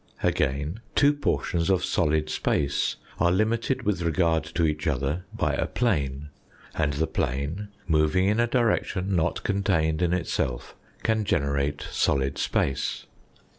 Again, two portions of solid space are limited with regard to each other by a plane ; and the plane, moving in a direction not contained in itself, can generate solid space.